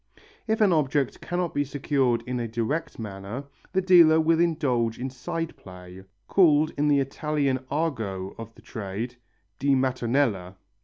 If an object cannot be secured in a direct manner, the dealer will indulge in side play, called in the Italian argot of the trade, di mattonella.